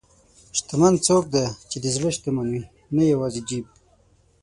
شتمن څوک دی چې د زړه شتمن وي، نه یوازې جیب.